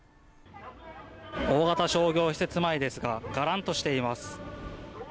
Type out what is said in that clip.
大型商業施設前ですががらんとしています。